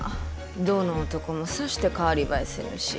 どの男もさして代わり映えせぬし。